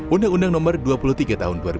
ondang ondang nomor ini tidak akan terjadi